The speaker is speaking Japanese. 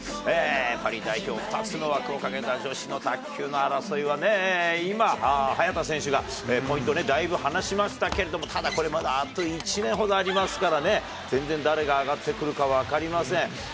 パリ代表、２つの枠をかけた女子の卓球の争いはね、今、早田選手がポイント、だいぶ離しましたけれども、ただこれ、まだあと１年ほどありますからね、全然、誰が上がってくるか分かりません。